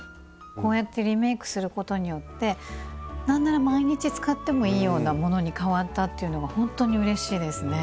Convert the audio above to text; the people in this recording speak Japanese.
こうやってリメイクすることによって何なら毎日使ってもいいようなものに変わったっていうのがほんとにうれしいですね。